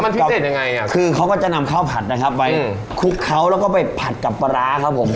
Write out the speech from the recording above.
มันพิเศษยังไงอ่ะคือเขาก็จะนำข้าวผัดนะครับไว้คลุกเขาแล้วก็ไปผัดกับปลาร้าครับผม